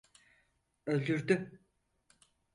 Öldürdü.